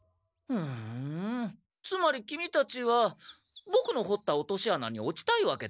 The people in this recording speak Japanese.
ふんつまりキミたちはボクのほった落とし穴に落ちたいわけだね？